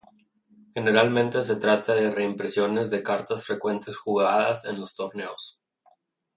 Generalmente se trata de reimpresiones de cartas frecuentemente jugadas en los torneos.